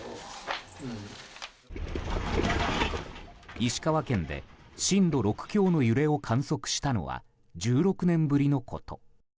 石川県で震度６強の揺れを観測したのは１６年ぶりのこと。